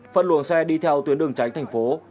phân luồng xe đi theo tuyến đường tránh thành phố